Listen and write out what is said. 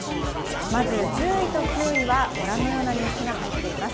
まず１０位と９位は、ご覧のようなニュースが入っています。